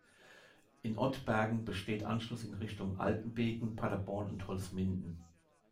In Ottbergen besteht Anschluss in Richtung Altenbeken, Paderborn und Holzminden.